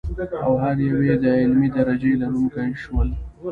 او هر یو یې د علمي درجې لرونکي شول.